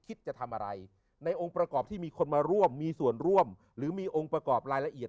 คิดจะทำอะไรในองค์ประกอบที่มีคนมาร่วมมีส่วนร่วมหรือมีองค์ประกอบรายละเอียด